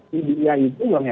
di dunia itu